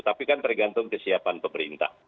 tapi kan tergantung kesiapan pemerintah